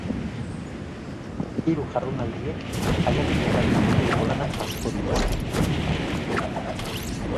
Hiru jardunaldiek jaialdiko gaiei loturiko lanak jasoko dituzte.